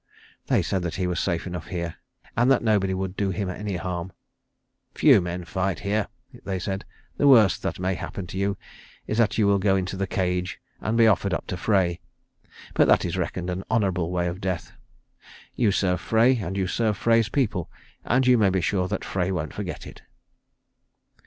They said that he was safe enough here, and that nobody would do him any harm. "Few men fight here," they said. "The worst that may happen to you is that you will go into the cage and be offered up to Frey. But that is reckoned an honourable way of death. You serve Frey, and you serve Frey's people, and you may be sure that Frey won't forget it."